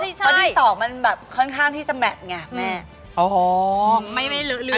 อันนี้สอมันแบบค่อนข้างที่จะแมตง่าแม่